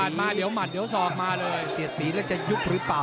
ก็อยากดูว่าเสียทศีลหรือจะยุ่กหรือเปล่า